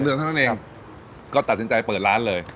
เดือนเท่านั้นเองครับก็ตัดสินใจเปิดร้านเลย